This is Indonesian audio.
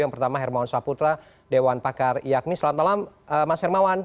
yang pertama hermawan saputra dewan pakar iakmi selamat malam mas hermawan